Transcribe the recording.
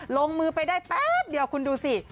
ลงมือไปได้แป๊บเดียวคุณดูสิ